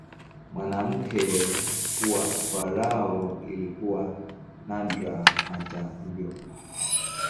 Mwanamke kuwa farao ilikuwa nadra, hata hivyo.